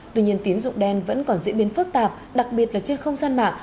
tuy nhiên tiến dụng đen vẫn còn diễn biến phức tạp đặc biệt là trên không gian mạng